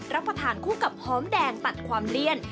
รับประทานคู่กับหอมแดงตัดความเลี่ยน